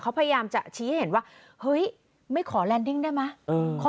เขาพยายามจะชี้ให้เห็นว่าเฮ้ยไม่ขอแลนดิ้งได้ไหม